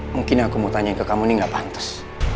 mungkin aku mau tanyain ke kamu ini gak pantas